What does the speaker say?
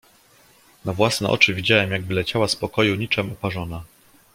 "Na własne oczy widziałem jak wyleciała z pokoju niczem oparzona."